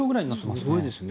すごいですね。